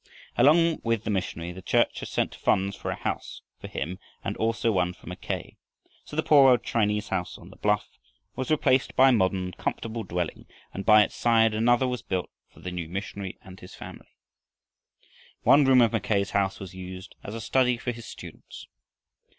Along with the missionary, the Church had sent funds for a house for him and also one for Mackay. So the poor old Chinese house on the bluff was replaced by a modern, comfortable dwelling, and by its side another was built for the new missionary and his family. One room of Mackay's house was used as a study for his students.